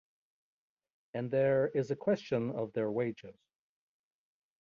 And there is a question of their wages.